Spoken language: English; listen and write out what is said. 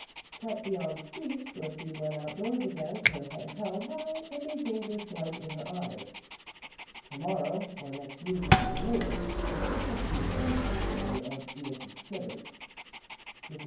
Quite beyond speech, Dorothy went outdoors again, her head held high and a dangerous light in her eyes. To morrow, or next week at the latest, should witness the forced departure of Mrs. Smithers. Mrs.